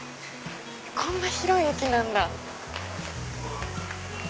こんな広い駅なんだ！